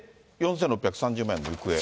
４６３０万円の行方。